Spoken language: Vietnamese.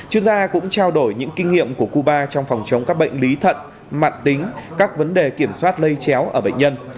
chuyên gia cũng trao đổi những kinh nghiệm của cuba trong phòng chống các bệnh lý thận mạng tính các vấn đề kiểm soát lây chéo ở bệnh nhân